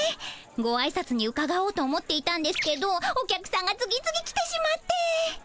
ごあいさつにうかがおうと思っていたんですけどお客さんが次々来てしまって。